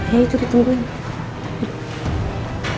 ya itu ditungguin